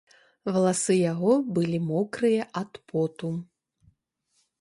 Валасы яго былі мокрыя ад поту.